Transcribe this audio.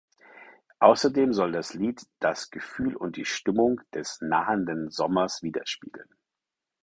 Außerdem soll das Lied das „Gefühl und die Stimmung“ des nahenden Sommers widerspiegeln.